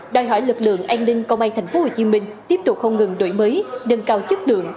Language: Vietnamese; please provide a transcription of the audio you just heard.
đòi hỏi lực lượng an ninh công an tp hcm tiếp tục không ngừng đổi mới nâng cao chất lượng